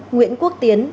nguyễn quốc tiến